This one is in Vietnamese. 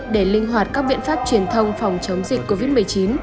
để linh hoạt các biện pháp truyền thông phòng chống dịch covid một mươi chín